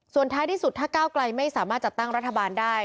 ส่วนท้ายที่สุดถ้าก้าวไกลไม่สามารถจัดตั้งรัฐบาลได้